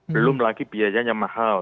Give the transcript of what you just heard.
belum lagi biayanya mahal